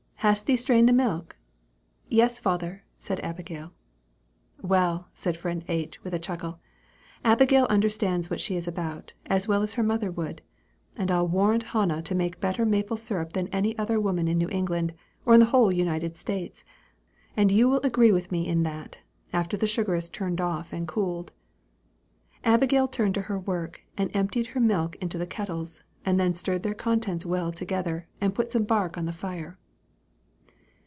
hast thee strained the milk?" "Yes, father," said Abigail. "Well," said friend H., with a chuckle, "Abigail understands what she is about, as well as her mother would; and I'll warrant Hannah to make better maple sugar than any other woman in New England, or in the whole United States and you will agree with me in that, after that sugar is turned off and cooled." Abigail turned to her work, emptied her milk into the kettles, and then stirred their contents well together, and put some bark on the fire.